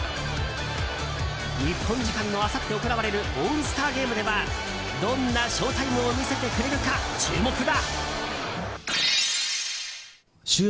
日本時間のあさって行われるオールスターゲームではどんなショウタイムを見せてくれるか、注目だ。